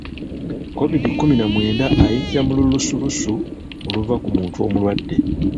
Kovidi kkumi na mwenda ayitira mu lulusulusu oluva ku muntu omulwadde.